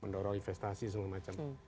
mendorong investasi semua macam